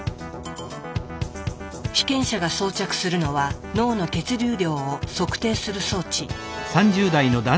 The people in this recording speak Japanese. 被験者が装着するのは脳の血流量を測定する装置。